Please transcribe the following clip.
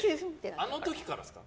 あの時からですか？